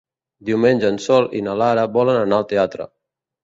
Diumenge en Sol i na Lara volen anar al teatre.